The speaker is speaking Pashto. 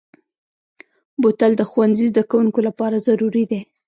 بوتل د ښوونځي زدهکوونکو لپاره ضروري دی.